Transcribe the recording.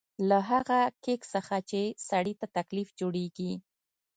له هغه کېک څخه چې سړي ته تکلیف جوړېږي.